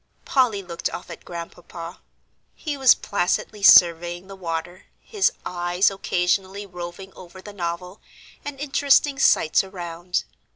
Polly looked off at Grandpapa. He was placidly surveying the water, his eyes occasionally roving over the novel and interesting sights around.